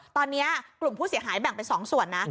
ตอนนี้กลุ่มผู้เสียหายแบ่งเป็น๒ส่วนนะ